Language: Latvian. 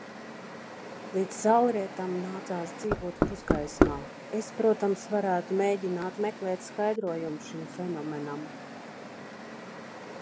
Līdz saulrietam nācās dzīvot pusgaismā. Es, protams, varētu mēģināt meklēt skaidrojumu šim fenomenam.